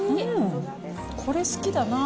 ね、これ好きだな。